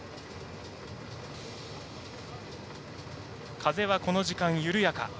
風はこの時間、緩やか。